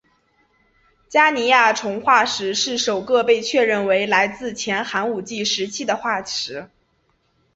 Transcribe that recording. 加尼亚虫化石是首个被确认为来自前寒武纪时期的化石。